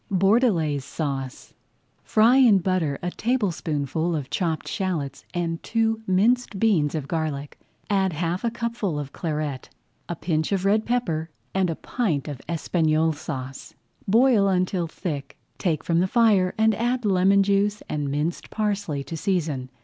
BORDELAISE SAUCE Fry in butter a tablespoonful of chopped shallots and two minced beans of garlic. Add [Page 18] half a cupful of Claret, a pinch of red pepper, and a pint of Espagnole Sauce. Boil until thick, take from the fire and add lemon juice and minced parsley to season.